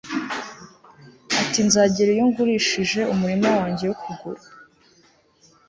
Ati Nzagira iyo ngurishije umurima wanjye wo kuwugura